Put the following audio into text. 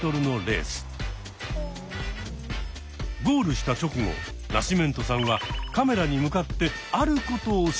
ゴールした直後ナシメントさんはカメラに向かってあることをします。